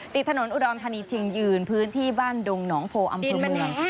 ติดถนนอุดรธานีชิงยืนพื้นที่บ้านดงหนองโพอำเภอเมือง